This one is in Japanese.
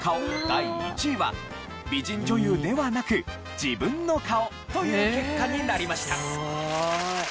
第１位は美人女優ではなく自分の顔という結果になりました。